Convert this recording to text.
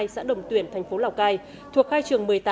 xã đồng tuyển thành phố lào cai thuộc khai trường một mươi tám